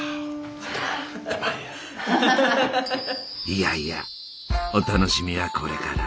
いやいやお楽しみはこれから。